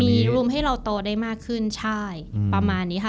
มีรูมให้เราโตได้มากขึ้นใช่